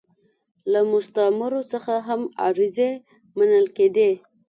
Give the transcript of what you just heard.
له مستعمرو څخه هم عریضې منل کېدې.